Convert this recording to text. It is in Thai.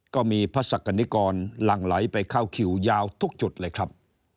ก็มีพระศักดิกรหลั่งไหลไปเข้าคิวยาวทุกจุดเลยครับ